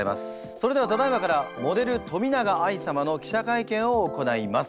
それではただいまからモデル冨永愛様の記者会見を行います。